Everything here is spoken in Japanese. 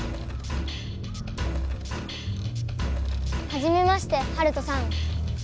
はじめましてハルトさん。